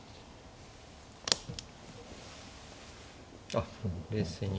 あっ冷静に。